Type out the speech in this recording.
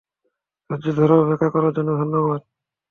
ধৈর্য ধরে অপেক্ষা করার জন্য ধন্যবাদ।